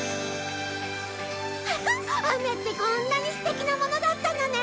雨ってこんなに素敵なものだったのね！